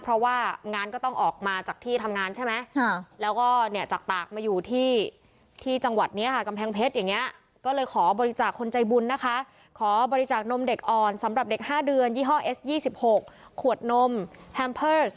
เพราะว่างานก็ต้องออกมาจากที่ทำงานใช่ไหม